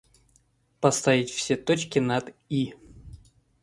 Поставить все точки над «и».